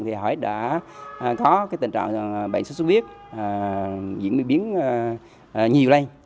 thì hầu hết đã có tình trạng bệnh sốt xuất huyết diễn biến nhiều lây